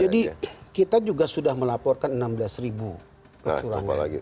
jadi kita juga sudah melaporkan enam belas ribu kecurangan